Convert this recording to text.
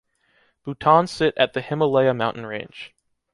Bhutan sit at the Himalaya Mountain range.